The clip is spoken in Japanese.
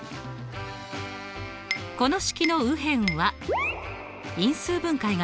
この式の右辺は因数分解ができますね。